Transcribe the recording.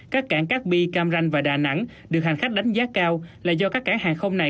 các cảng cát bi cam ranh và đà nẵng được hành khách đánh giá cao là do các cảng hàng không này